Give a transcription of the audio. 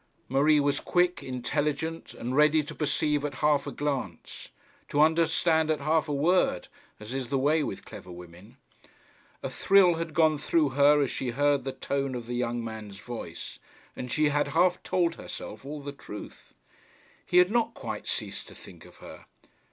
Marie was quick, intelligent, and ready to perceive at half a glance, to understand at half a word, as is the way with clever women. A thrill had gone through her as she heard the tone of the young man's voice, and she had half told herself all the truth. He had not quite ceased to think of her.